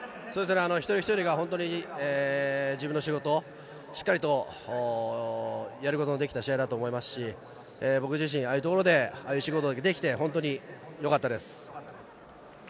一人一人が本当に自分の仕事をしっかりとやることができた試合だったと思いますし、僕自身、ああいうところで仕事ができて本当によかったです。